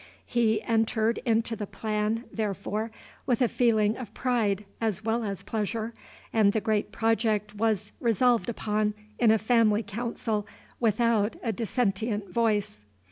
He entered into the plan, therefore, with a feeling of pride as well as pleasure, and the great project was resolved upon in a family council without a dissentient voice.